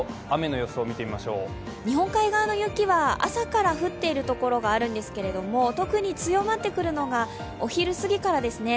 日本海側の雪は朝から降っているところがあるんですけど、特に強まってくるのはお昼過ぎからですね。